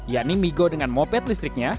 yakni migo dengan moped listriknya